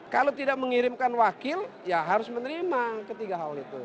kalau tidak mengirimkan wakil ya harus menerima ketiga hal itu